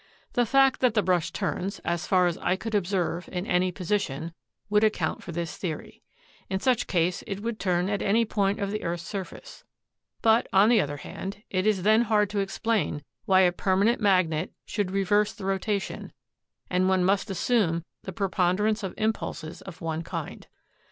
The fact that the brush turns, as far as I could observe, in any position, would account for this theory. In such case it would turn at any point of the earth's surface. But, on the other hand, it is then hard to explain why a permanent magnet should reverse the rotation, and one must assume the prepon derance of impulses of one kind.